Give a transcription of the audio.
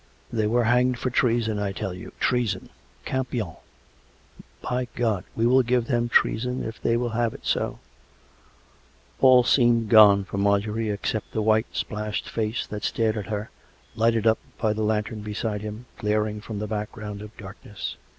" They were hanged for treason, I tell you. ... Treason !... Campion! ... By God! we will give them treason if they will have it so !" All seemed gone from Marjorie except the white, splashed face that stared at her, lighted up by the lantern beside him, glaring from the background of darkness.